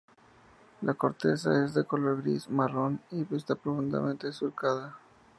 La corteza es de color gris-marrón y está profundamente surcada.